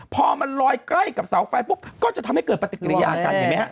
พอมันลอยใกล้กับเสาไฟปุ๊บก็จะทำให้เกิดปฏิกิริยากันเห็นไหมฮะ